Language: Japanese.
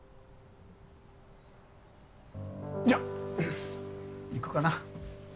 じゃあ行くかな。